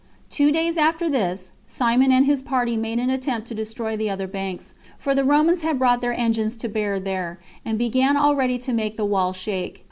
Two days after this, Simon and his party made an attempt to destroy the other banks; for the Romans had brought their engines to bear there, and began already to make the wall shake.